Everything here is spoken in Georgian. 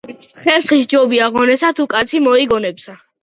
ხერხი სჯობია ღონესა თუ კაცი მოიგონებსა